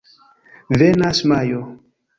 Venas Majo.